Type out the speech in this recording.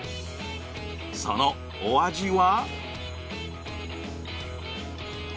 そのお味は？